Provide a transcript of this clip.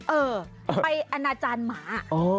เออไปอนาจารย์หมา